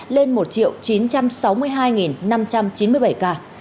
lên một chín trăm sáu mươi hai năm trăm chín mươi bảy ca